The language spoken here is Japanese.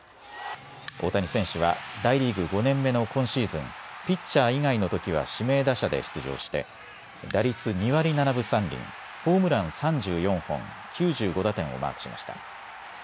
大谷選手は大リーグ５年目の今シーズン、ピッチャー以外のときは指名打者で出場して打率２割７分３厘、ホームラン３４本、９５打点をマークしました。